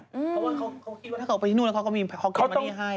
เขาคิดว่าถ้าเขาไปที่นู่นแล้วเขาก็มีเงินเงินให้